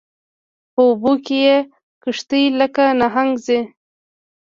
په اوبو کې یې کشتۍ لکه نهنګ ځي